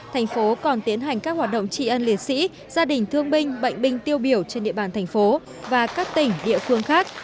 thành phố còn tiến hành các hoạt động trị ân liệt sĩ gia đình thương binh bệnh binh tiêu biểu trên địa bàn thành phố và các tỉnh địa phương khác